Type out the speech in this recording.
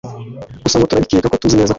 gusa ngo turabikeka tuzi neza ko